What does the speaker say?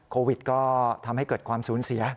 โควิดก็ทำให้เกิดความสูญเสีย